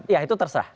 ya itu terserah